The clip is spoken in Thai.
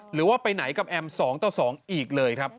หรือว่าไปไหนกับแอม๒ต่อ๒อีกเลยครับ